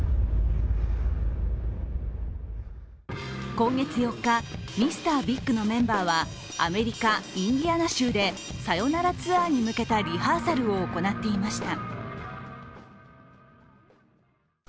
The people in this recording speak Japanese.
今月４日、ＭＲ．ＢＩＧのメンバーはアメリカ・インディアナ州でさよならツアーに向けたリハーサルを行っていました。